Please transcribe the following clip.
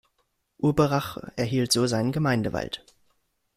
Urberach erhielt so seinen Gemeindewald.